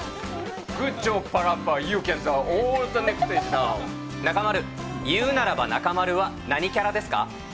グッチョパラッパユーキャン中丸、言うならば中丸は何キャラですか？